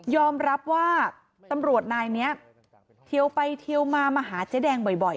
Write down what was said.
รับว่าตำรวจนายนี้เทียวไปเทียวมามาหาเจ๊แดงบ่อย